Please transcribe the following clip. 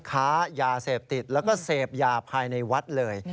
ค้ายาเสพติดแล้วก็เสพยาภายในวัดเลย